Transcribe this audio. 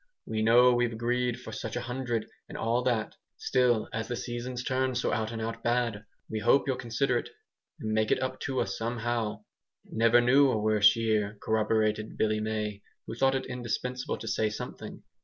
We know we've agreed for so much a hundred, and all that. Still as the season's turned so out and out bad, we hope you'll consider it and make it up to us somehow." "Never knew a worse year," corroborated Billy May, who thought it indispensable to say something.